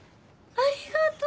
ありがとう。